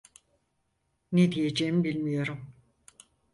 Ne diyeceğimi bilmiyorum.